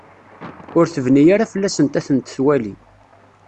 Ur tebni ara fell-asent ad tent-twali.